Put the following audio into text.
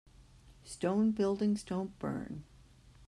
Stone buildings don't burn.